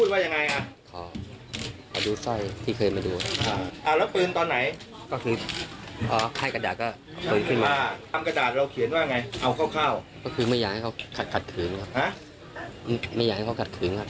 ไม่ให้ขัดขืนนะครับไม่ให้ขัดขืนขืนว่ายังไงไม่ให้ขัดขืน